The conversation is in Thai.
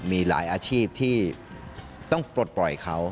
มีหลายอาชีพที่ต้องปลดปล่อยเขา